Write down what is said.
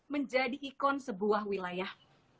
menjadi ikon sebuah wilayah